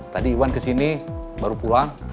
tadi iwan kesini baru pulang